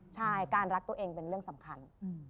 ใช่การรักตัวเองเป็นเรื่องสำคัญ